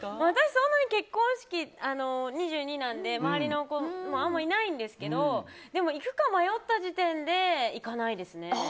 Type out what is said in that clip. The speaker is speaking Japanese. そんなに結婚式２２なんで周りにもあまりいないんですけどでも、行くか迷った時点で行かないですね。